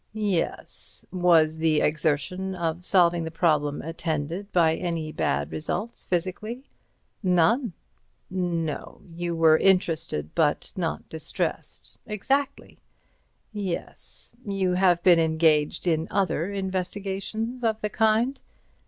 "Yes. Was the exertion of solving the problem attended by any bad results physically?" "None." "No. You were interested, but not distressed.'' "Exactly." "Yes. You have been engaged in other investigations of the kind?"